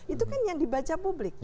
itu kan yang dibaca publik